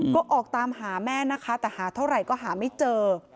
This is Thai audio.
ก็ออกตามหาแม่นะคะแต่หาเท่าไหร่ก็หาไม่เจอ